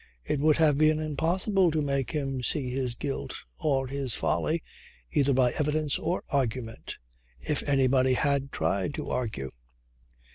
It would have been impossible to make him see his guilt or his folly either by evidence or argument if anybody had tried to argue.